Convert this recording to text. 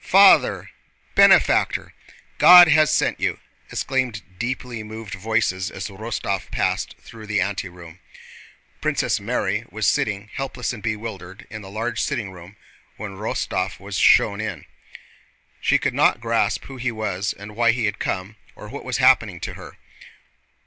"Father! Benefactor! God has sent you!" exclaimed deeply moved voices as Rostóv passed through the anteroom. Princess Mary was sitting helpless and bewildered in the large sitting room, when Rostóv was shown in. She could not grasp who he was and why he had come, or what was happening to her.